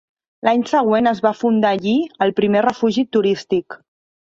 L'any següent es va fundar allí el primer refugi turístic.